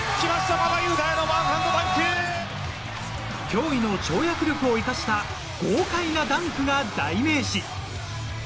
驚異の跳躍力を生かした豪快なダンクが代名詞。